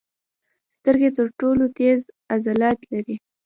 سترګې تر ټولو تېز عضلات لري.